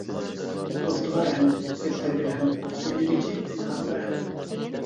توختىغا رەھمەت، كەپتەرگە رەھمەت، سۈيلىگۈچى پىنھانغا رەھمەت.